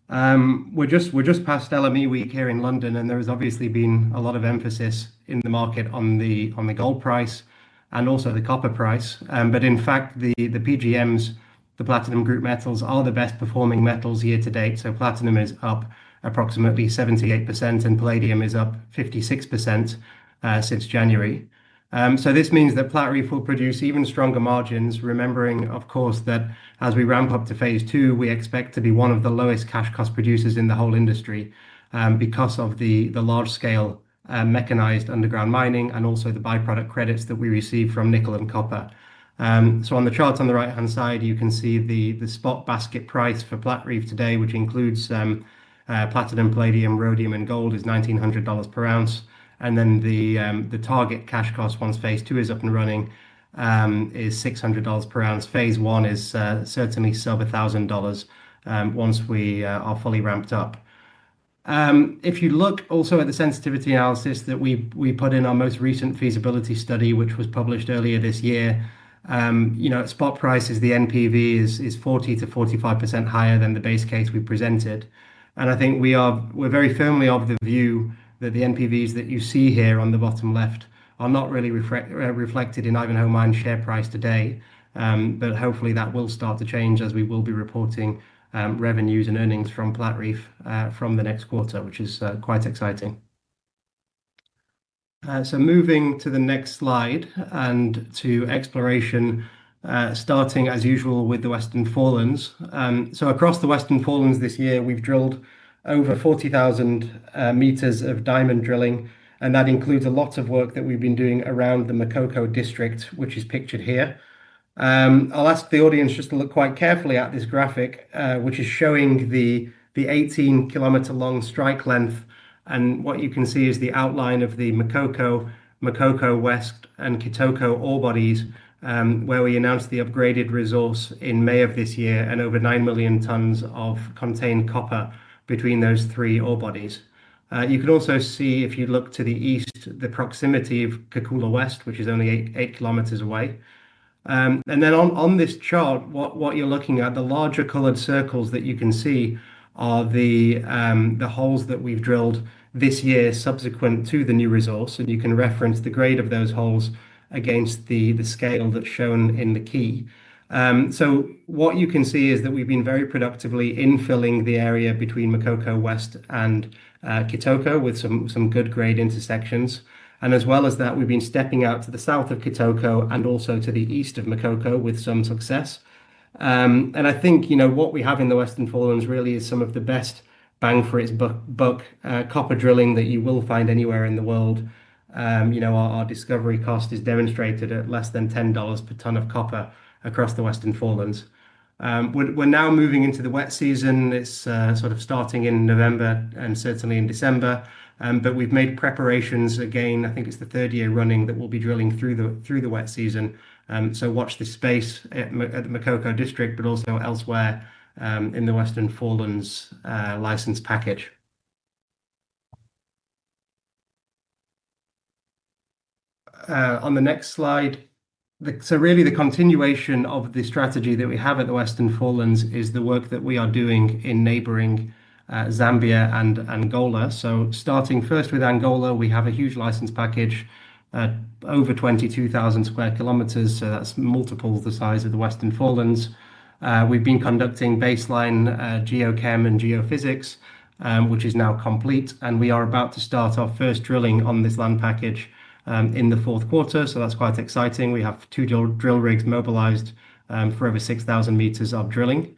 We're just past LME week here in London and there has obviously been a lot of emphasis in the market on the gold price and also the copper price. In fact, the PGMs, the platinum group metals, are the best performing metals year to date. Platinum is up approximately 78% and palladium is up 56% since January. This means that Platreef will produce even stronger margins. Remembering of course that as we ramp up to phase II, we expect to be one of the lowest cash cost producers in the whole industry because of the large scale mechanized underground mining and also the byproduct credits that we receive from nickel and copper. On the chart on the right hand side you can see the spot basket price for Platreef today, which includes platinum, palladium, rhodium and gold, is $1,900 per ounce. The target cash cost once phase II is up and running is $600 per ounce. phase I is certainly sub $1,000 once we are fully ramped up. If you look also at the sensitivity analysis that we put in our most recent feasibility study which was published earlier this year, at spot prices the NPV is 40%-45% higher than the base case we presented. I think we are very firmly of the view that the NPVs that you see here on the bottom left are not really reflected in Ivanhoe Mines share price today. Hopefully that will start to change as we will be reporting revenues and earnings from Platreef from the next quarter, which is quite exciting. Moving to the next slide and to exploration starting as usual with the Western Forelands. Across the Western Forelands this year we've drilled over 40,000 meters of diamond drilling. That includes a lot of work that we've been doing around the Makoko District which is pictured here. I'll ask the audience just to look quite carefully at this graphic which is showing the 18 km long strike length. What you can see is the outline of the Makoko, Makoko West and Kitoko ore bodies where we announced the upgraded resource in May of this year, and over 9 million tons of contained copper between those three ore bodies. You can also see if you look to the east, the proximity of Kakula West which is only 8 km away. On this chart, what you're looking at, the larger colored circles that you can see are the holes that we've drilled this year subsequent to the new resource. You can reference the grade of those holes against the scale that's shown in the key. What you can see is that we've been very productively infilling the area between Makoko West and Kitoko with some good grade intersections. As well as that, we've been stepping out to the south of Kitoko and also to the east of Makoko with some success. I think you know what we have in the Western Forelands really is some of the best bang for its buck copper drilling that you will find anywhere in the world. Our discovery cost is demonstrated at less than $10 per ton of copper across the Western Forelands. We're now moving into the wet season. It's sort of starting in November and certainly in December. We've made preparations again. I think it's the third year running that we'll be drilling through the wet season. Watch this space at the Makoko District but also elsewhere in the Western Forelands license package on the next slide. Really, the continuation of the strategy that we have at the Western Forelands is the work that we are doing in neighboring Zambia and Angola. Starting first with Angola, we have a huge license package, over 22,000 sq km. That's multiples the size of the Western Forelands. We've been conducting baseline geochem and geophysics which is now complete, and we are about to start our first drilling on this land package in the fourth quarter. That's quite exciting. We have two drill rigs mobilized for over 6,000 meters of drilling.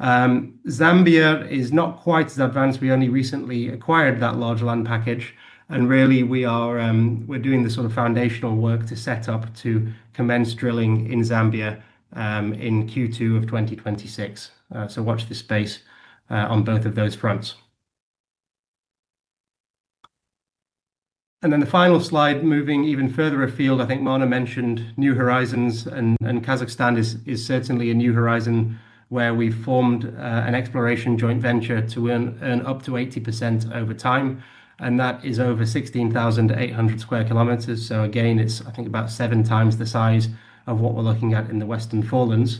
Zambia is not quite as advanced. We only recently acquired that large land package, and really we're doing the sort of foundational work to set up to commence drilling in Zambia in Q2 of 2026. Watch the space on both of those fronts. The final slide, moving even further afield, I think Marna mentioned New Horizons and Kazakhstan is certainly a new horizon where we formed an exploration joint venture to earn up to 80% over time, and that is over 16,800 square km. Again, it's about seven times the size of what we're looking at in the Western Forelands.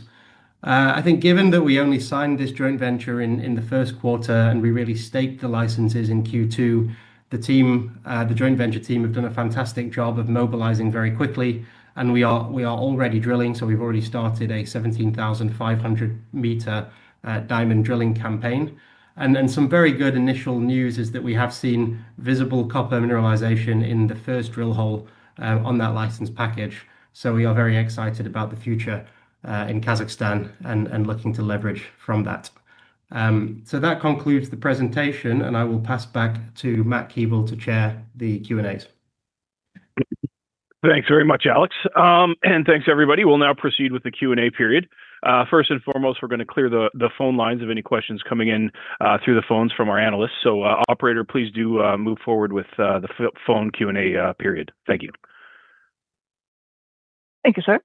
I think given that we only signed this joint venture in the first quarter and we really staked the licenses in Q2. The joint venture team have done a fantastic job of mobilizing very quickly and we are already drilling. We've already started a 17,500 meter diamond drilling campaign, and some very good initial news is that we have seen visible copper mineralization in the first drill hole on that license package. We are very excited about the future in Kazakhstan and looking to leverage from that. That concludes the presentation and I will pass back to Matthew Keevil to chair the Q&A. Thanks very much, Alex. Thanks everybody. We'll now proceed with the Q&A period. First and foremost, we're going to clear the phone lines of any questions coming in through the phones from our analysts. Operator, please do move forward with the Q&A period. Thank you. Thank you, sir.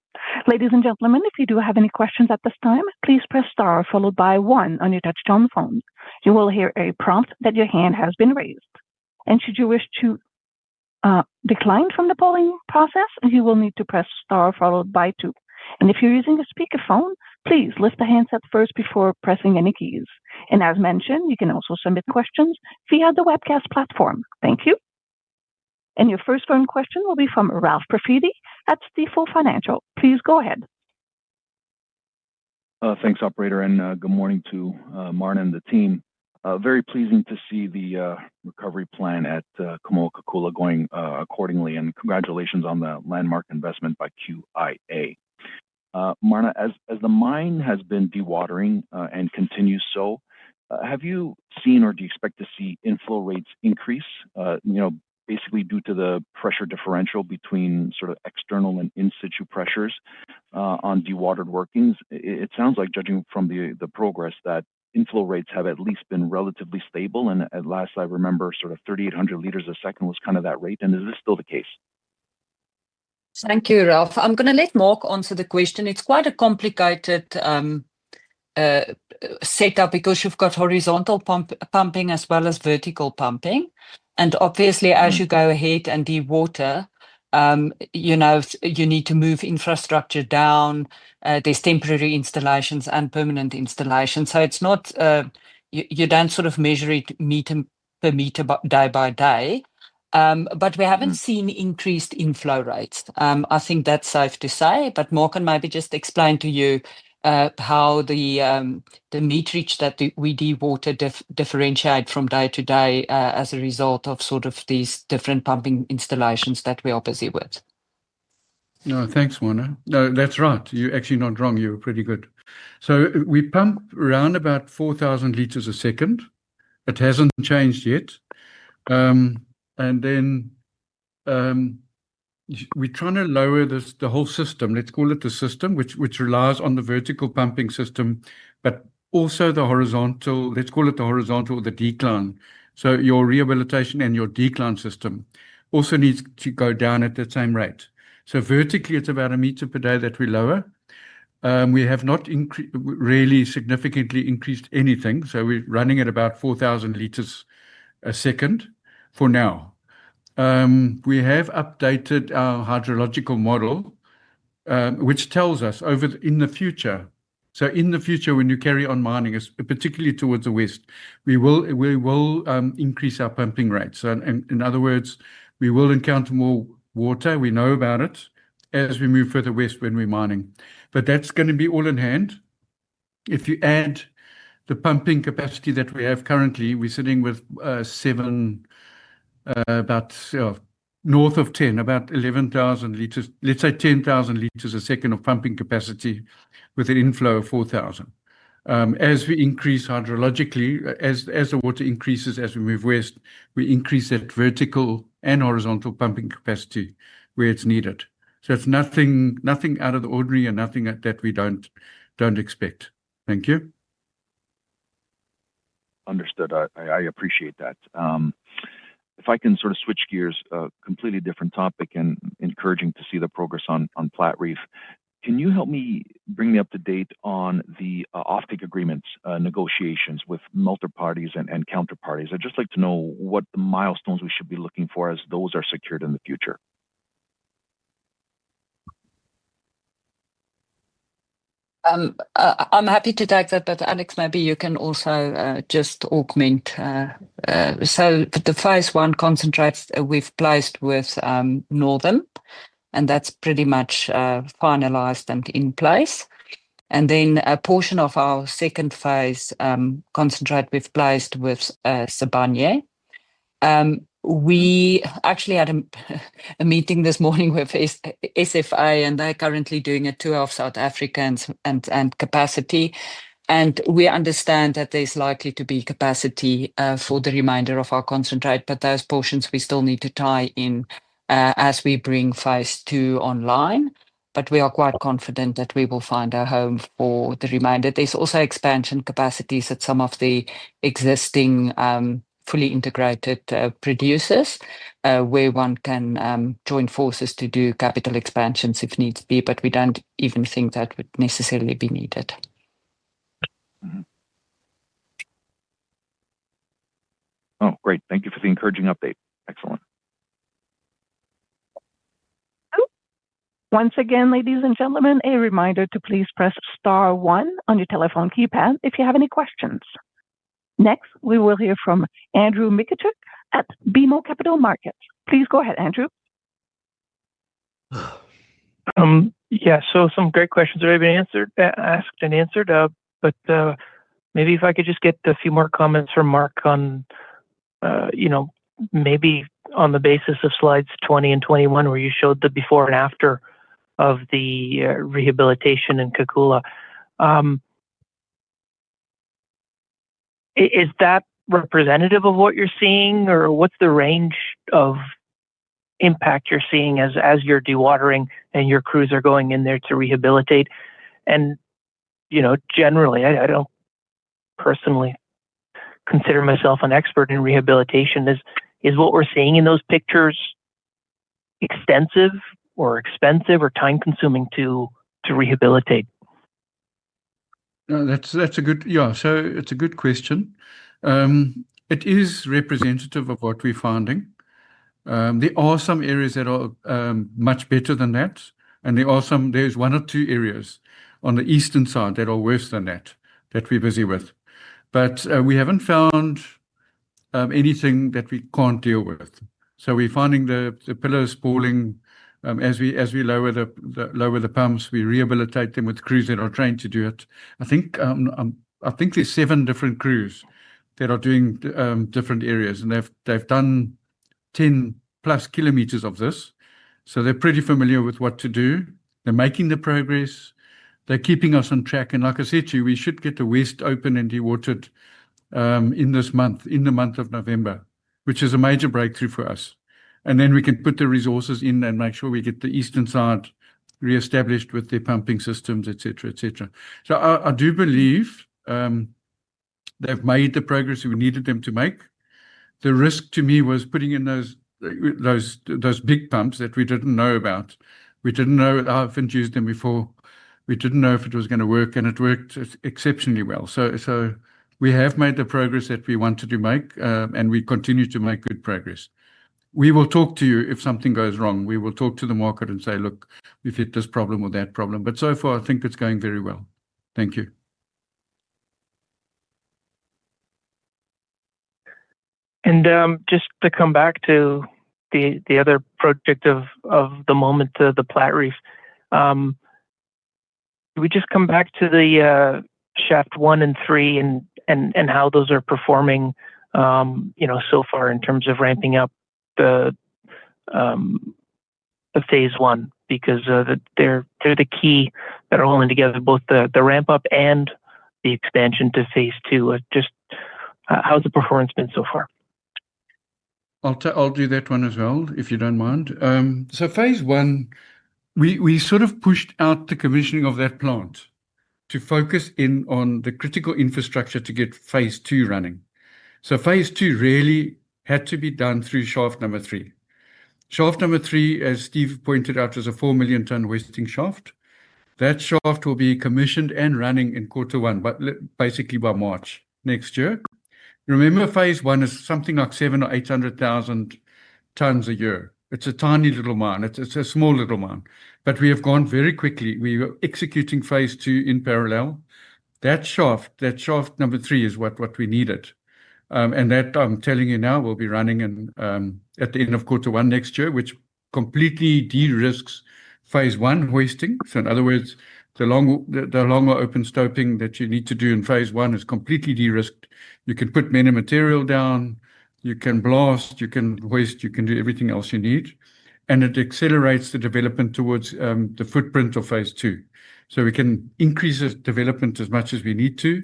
Ladies and gentlemen, if you do have any questions at this time, please press Star followed by one on your touchtone phone. You will hear a prompt that your hand has been raised. Should you wish to decline from the polling process, you will need to press Star followed by two. If you're using a speakerphone, please lift the handset first before pressing any keys. As mentioned, you can also submit questions via the webcast platform. Thank you. Thank you. Your first phone question will be from Ralph Profiti at Stifel Financial. Please go ahead. Thanks, operator. Good morning to Marna and the team. Very pleasing to see the recovery plan at Kamoa-Kakula going accordingly. Congratulations on the landmark investment by Qatar Investment Authority, Marna. As the mine has been dewatering and continues, have you seen or do you expect to see inflow rates increase, basically due to the pressure? Differential between sort of external and in. Situ pressures on dewatered workings? It sounds like, judging from the progress, that inflow rates have at least been relatively stable. At last I remember, sort of 3,800 liters a second was kind of that rate. Is this still the case? Thank you, Ralph. I'm going to let Mark answer the question. It's quite a complicated set up because you've got horizontal pumping as well as vertical pumping. Obviously, as you go ahead and dewater, you need to move infrastructure down. There's temporary installations and permanent installations. You don't sort of measure it meter per meter, day by day. We haven't seen increased inflow rates, I think that's safe to say. Morgan, maybe just explain to you how the metrics that we dewater differentiate from day to day as a result of these different pumping installations that we are busy with. No thanks, Marna. No, that's right. You're actually not wrong. You're pretty good. We pump around about 4,000 liters a second. It hasn't changed yet. We're trying to lower this, the whole system, let's call it the system which relies on the vertical pumping system, but also the horizontal, let's call it the horizontal or the decline. Your rehabilitation and your decline system also need to go down at the same rate. Vertically it's about a meter per day that we lower. We have not really significantly increased anything. We're running at about 4,000 liters a second for now. We have updated our hydrological model which tells us over in the future. In the future when you carry on mining, particularly towards the west, we will increase our pumping rate. In other words, we will encounter more water. We know about it as we move further west when we're mining. That's going to be all in hand if you add the pumping capacity that we have. Currently we're sitting with about north of 10, about 11,000 liters, let's say 10,000 liters a second of pumping capacity with an inflow of 4,000. As we increase hydrologically, as the water increases as we move west, we increase that vertical and horizontal pumping capacity where it's needed. It's nothing out of the ordinary and nothing that we don't expect. Thank you. Understood. I appreciate that. If I can sort of switch gears. Completely different topic, and encouraging to see. The progress on Platreef. Can you help me bring me up to date on the offtake agreements, negotiations with multiparties and counterparties? I'd just like to know what the milestones we should be looking for as those are secured in the future. I'm happy to take that. Alex, maybe you can also just augment. The phase I concentrates we've placed with Northern and that's pretty much finalized and in place. A portion of our second phase concentrate we've placed with Sabanier. We actually had a meeting this morning with SFA and they're currently doing a tour of South Africa and capacity. We understand that there's likely to be capacity for the remainder of our concentrate. Those portions we still need to tie in as we bring phase II online. We are quite confident that we will find a home for the remainder. There's also expansion capacities at some of the existing fully integrated producers where one can join forces to do capital expansions if needs be, but we don't even think that would necessarily be needed. Oh, great. Thank you for the encouraging update. Excellent. Once again, ladies and gentlemen, a reminder to please press star one on your telephone keypad if you have any questions. Next we will hear from Andrew Mikitchook at BMO Capital Markets. Please go ahead, Andrew. Yeah, some great questions already been asked and answered, but maybe if I could just get a few more comments from Mark on, you know, maybe on the basis of slides 20 and 21 where you showed the before and after of the rehabilitation in Kakula. Is that representative of what you're seeing or what's the range of impact you're seeing as you're dewatering and your crews are going in there to rehabilitate? You know, generally, I don't personally consider myself an expert in rehabilitation. Is what we're seeing in those pictures extensive or expensive or time consuming to rehabilitate? That's a good question. It is representative of what we're finding. There are some areas that are much better than that and there are one or two areas on the eastern side that are worse than that that we're busy with, but we haven't found anything that we can't deal with. We're finding the pillars sprawling as we lower the pumps, we rehabilitate them with crews that are trained to do it. I think there are seven different crews that are doing different areas and they've done 10 plus km of this. They're pretty familiar with what to do. They're making the progress, they're keeping us on track. Like I said to you, we should get the west open and dewatered in this month, in the month of November, which is a major breakthrough for us. Then we can put the resources in and make sure we get the eastern side re-established with their pumping systems, etc. I do believe they've made the progress we needed them to make. The risk to me was putting in those big pumps that we didn't know about. We didn't know, I haven't used them before. We didn't know if it was going to work and it worked exceptionally well. We have made the progress that we wanted to make and we continue to make good progress. We will talk to you if something goes wrong, we will talk to the market and say, look, we hit this problem or that problem, but so far I think it's going very well. Thank you. Just to come back to the other project of the moment, the Platreef. We just come back to Shaft 1 and 3 and how those are performing so far in terms of ramping up the phase I, because they're the key that are holding together both the ramp up and the expansion to phase II. Just how's the performance been so far? I'll do that one as well, if you don't mind. phase I, we sort of pushed out the commissioning of that plant to focus in on the critical infrastructure to get phase II running. phase II really had to be done through shaft number three. Three. Shaft number three, as Steve Amos pointed out, is a 4 million ton wasting shaft. That shaft will be commissioned and running in quarter one, basically by March next year. Remember, phase I is something like 700,000 or 800,000 tons a year. It's a tiny little mine. It's a small little mine. We have gone very quickly. We were executing phase II in parallel. That shaft, that shaft number three is what we needed. That, I'm telling you now, will be running at the end of quarter one next year, which completely de-risks phase I hoisting. In other words, the longer open stoping that you need to do in phase I is completely de-risked. You can put material down, you can blast, you can hoist, you can do everything else you need. It accelerates the development towards the footprint of phase II. We can increase the development as much as we need to.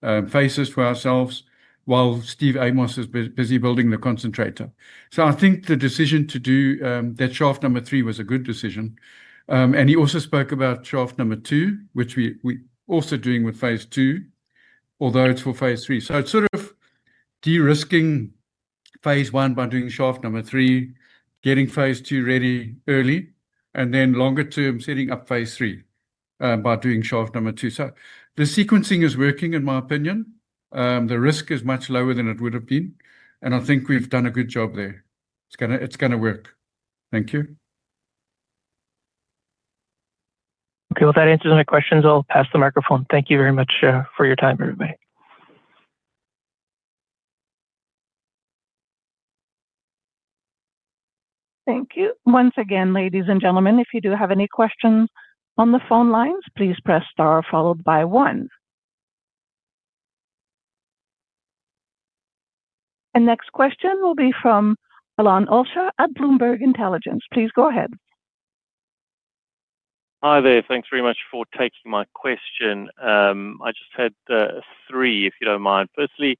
We can open up the long haul stoping faces for ourselves while Steve Amos is busy building the concentrator. I think the decision to do that, shaft number three, was a good decision. He also spoke about shaft number two, which we are also doing with phase II, although it's for phase III. It is sort of de-risking phase I by doing shaft number three, getting phase II ready early, and then longer term setting up phase III by doing shaft number two. The sequencing is working. In my opinion, the risk is much lower than it would have been and I think we've done a good job there. It's going to, it's going to work. Thank you. Okay, that answers my questions. I'll pass the microphone. Thank you very much for your time, everybody. Thank you. Once again, ladies and gentlemen, if you do have any questions on the phone lines, please press star followed by one. The next question will be from Alon Olsha at Bloomberg Intelligence. Please go ahead. Hi there. Thanks very much for taking my question. I just had three, if you don't mind. Personally,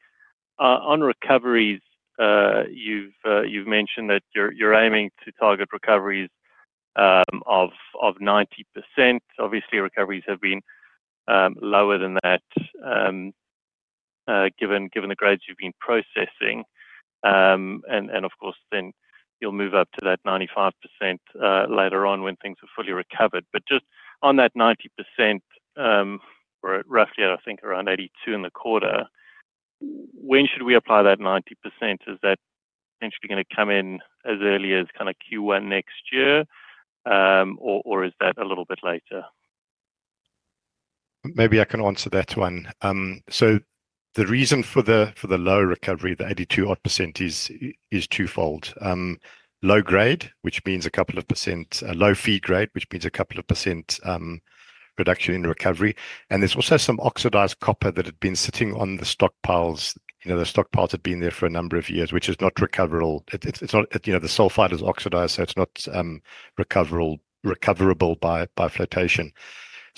on recoveries, you've mentioned that you're aiming to target recoveries of 90%. Obviously, recoveries have been lower than that given the grades you've been processing. Of course, then you'll move up to that 95% later on when things are fully recovered. Just on that 90% roughly, I think around 82% in the quarter. When should we apply that 90%? Is that potentially going to come in as early as kind of Q1 next year, or is that a little bit later? I can answer that one. The reason for the low recovery, the 82% odd, is twofold: low grade, which means a couple of percent; low feed grade, which means a couple of percent reduction in recovery. There's also some oxidized copper that had been sitting on the stockpiles. The stockpiles had been there for a number of years, which is not recoverable. It's not, you know, the sulfide is oxidized so it's not recoverable by flotation.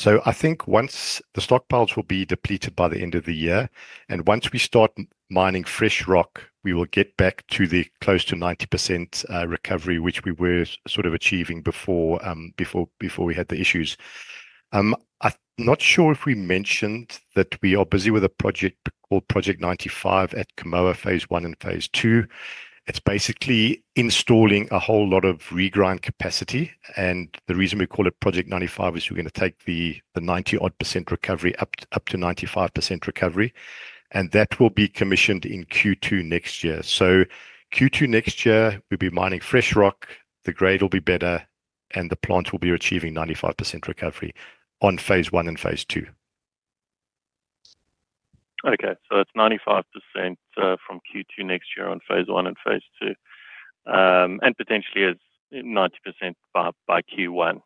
I think once the stockpiles will be depleted by the end of the year and once we start mining fresh rock, we will get back to close to 90% recovery, which we were sort of achieving before we had the issues. I'm not sure if we mentioned that. We are busy with a project called Project 95 at Kamoa. phase I and phase II, it's basically installing a whole lot of regrind capacity. The reason we call it Project 95 is we're going to take the 90% odd recovery up to 95% recovery and that will be commissioned in Q2 next year. Q2 next year we'll be mining fresh rock, the grade will be better and the plant will be achieving 95% recovery on phase I and phase II. Okay, so it's 95% from Q2 next year on phase I and phase II, and potentially is 90% by Q1, is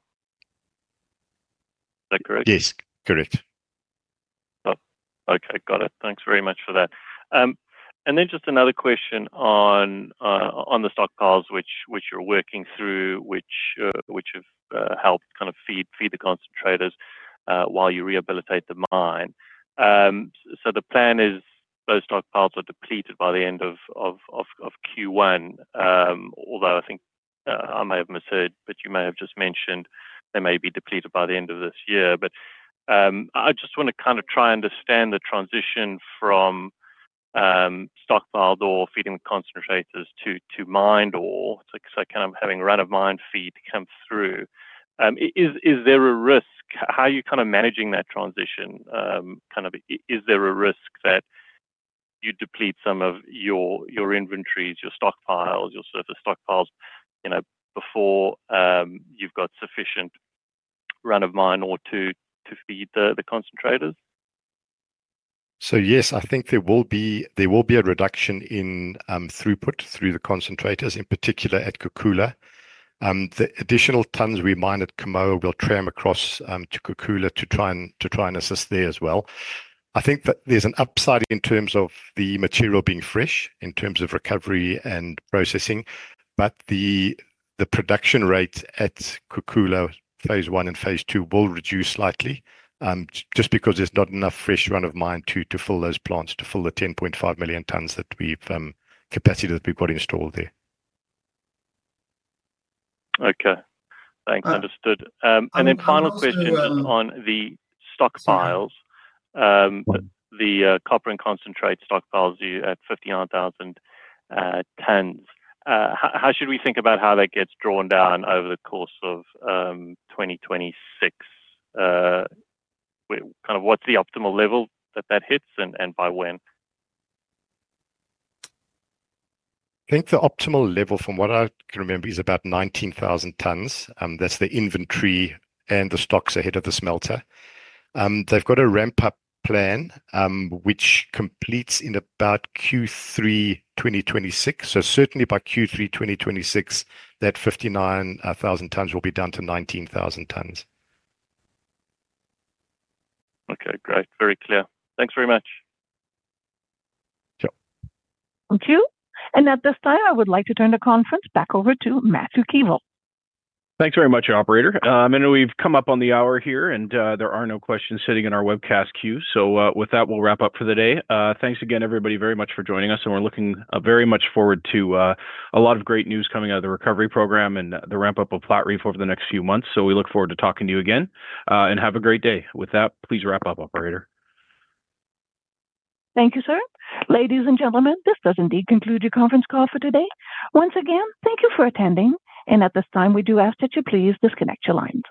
that correct? Yes, correct. Okay, got it. Thanks very much for that. Just another question on the stockpiles which you're working through, which have helped kind of feed the concentrators while you rehabilitate the mine. The plan is those stockpiles are depleted by the end of Q1, although I think I may have misheard, but you may have just mentioned they may be depleted by the end of this year. I just want to kind of try and understand the transition from stockpiled ore feeding the concentrators to mined ore. Kind of having run of mine feed come through, is there a risk how you kind of managing that transition? Is there a risk that you deplete some of your inventories, your stockpiles, your surface stockpiles, before you've got sufficient run of mine ore to feed the concentrators. Yes, I think there will be a reduction in throughput through the concentrators, in particular at Kakula. The additional tons we mine at Kamoa will tram across to Kakula to try and assist there as well. I think that there's an upside in terms of the material being fresh, in terms of recovery and processing. The production rate at Kakula phase I and phase II will reduce slightly just because there's not enough fresh run of mine to fill those plants, to fill the 10.5 million tons of capacity that we've got installed there. Okay, thanks. Understood. Final question on the stockpiles, the copper and concentrate stockpiles at 59,000 tonnes, how should we think about how that gets drawn down over the course of 2026? What's the optimal level that that hits and by when? I think the optimal level from what I can remember is about 19,000 tons. That's the inventory and the stocks ahead of the smelter. They've got a ramp-up plan which completes in about Q3 2026. Certainly by Q3 2026, that 59,000 tonnes will be down to 19,000 tonnes. Okay, great. Very clear. Thanks very much. Thank you. At this time I would like to turn the conference back over to Matthew Keevil. Thanks very much, Operator. We've come up on the hour here, and there are no questions sitting in our webcast queue. With that, we'll wrap up for the day. Thanks again, everybody, very much for joining us. We're looking very much forward to a lot of great news coming out of the recovery program and the ramp up of Platreef over the next few months. We look forward to talking to you again, and have a great day. With that, please wrap up. Thank you, sir. Ladies and gentlemen, this does indeed conclude your conference call for today. Once again, thank you for attending, and at this time we do ask that you please disconnect your lines.